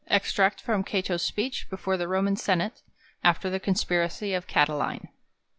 Extract from Cato's Speech before the Ro man Senate, after the Conspiracy of Cati line.